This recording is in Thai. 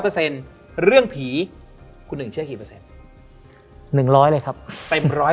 เปอร์เซ็นต์เรื่องผีคุณหนึ่งเชื่อกี่เปอร์เซ็นต์หนึ่งร้อยเลยครับเต็มร้อย